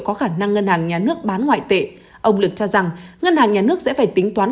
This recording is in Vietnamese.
có khả năng ngân hàng nhà nước bán ngoại tệ ông lực cho rằng ngân hàng nhà nước sẽ phải tính toán